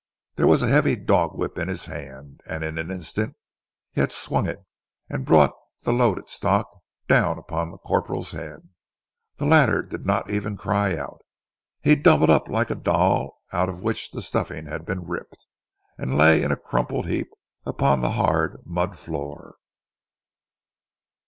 There was a heavy dog whip in his hand, and in an instant he had swung it, and brought the loaded stock down on the corporal's head. The latter did not even cry out. He doubled up like a doll out of which the stuffing had been ripped, and lay in a crumpled heap upon the hard mud floor.